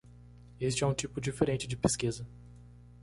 Este é um tipo diferente de pesquisa.